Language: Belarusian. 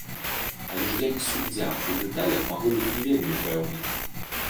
Але ж я не суддзя, у дэталях магу быць не вельмі пэўны.